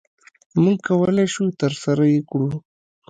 مونږ کولی شو ترسره يي کړو د